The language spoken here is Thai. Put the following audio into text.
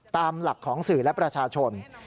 ตามหลักของสื่อและประชาชน